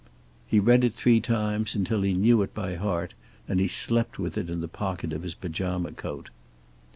He read it three times, until he knew it by heart, and he slept with it in the pocket of his pajama coat.